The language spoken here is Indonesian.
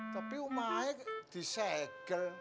tapi rumahnya disegel